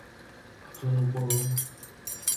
天光